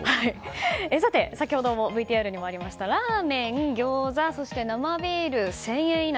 さて先ほどもＶＴＲにありましたラーメン、餃子、生ビールが１０００円以内。